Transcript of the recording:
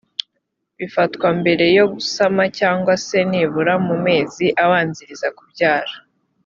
bifatwa mbereyo gusama cyangwa se nibura mu mezi abanziriza kubyara.